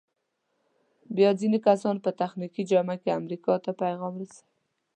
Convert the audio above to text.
بیا ځینې کسان په تخنیکي جامه کې امریکا ته پیغام رسوي.